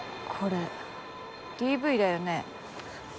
これＤＶだよね？